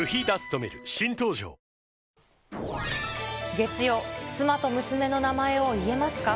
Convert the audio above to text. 月曜、妻と娘の名前を言えますか？